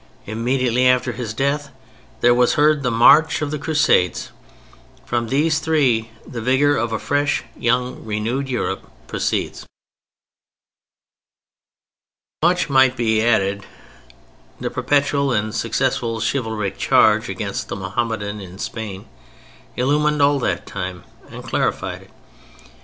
Immediately after his death there was heard the march of the Crusades. From these three the vigor of a fresh, young, renewed Europe proceeds. Much might be added. The perpetual and successful chivalric charge against the Mohammedan in Spain illumined all that time and clarified it.